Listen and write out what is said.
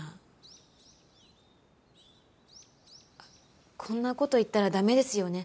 あっこんな事言ったら駄目ですよね。